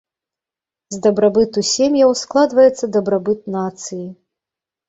З дабрабыту сем'яў складваецца дабрабыт нацыі.